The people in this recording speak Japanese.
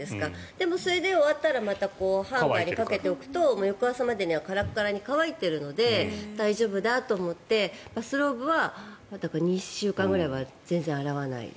でもそれで終わったらハンガーにかけておくと翌朝までにはカラカラに乾いているので大丈夫だと思ってバスローブは２週間ぐらいは全然洗わないです。